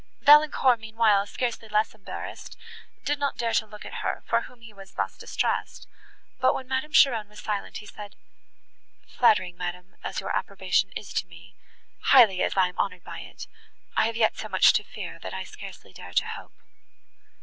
Valancourt, meanwhile, scarcely less embarrassed, did not dare to look at her, for whom he was thus distressed; but, when Madame Cheron was silent, he said, "Flattering, madam, as your approbation is to me—highly as I am honoured by it—I have yet so much to fear, that I scarcely dare to hope."